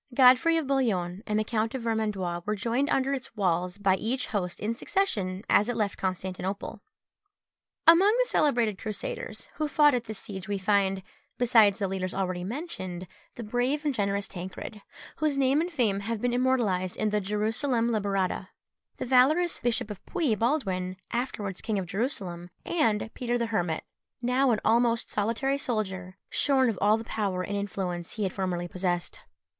Godfrey of Bouillon and the Count of Vermandois were joined under its walls by each host in succession as it left Constantinople. Among the celebrated Crusaders who fought at this siege we find, besides the leaders already mentioned, the brave and generous Tancred, whose name and fame have been immortalised in the Gerusalemme Liberata, the valorous Bishop of Puy, Baldwin, afterwards king of Jerusalem, and Peter the Hermit, now an almost solitary soldier, shorn of all the power and influence he had formerly possessed.